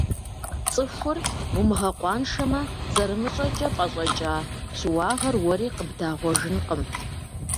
Цӏыхур умыгъэкъуаншэмэ, зэрымыщӀэкӀэ пӀэщӀэкӀа щыуагъэр уэри къыбдагъуэжынкъым.